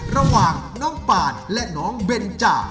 ระหว่างน้องปานและน้องเบนจ้า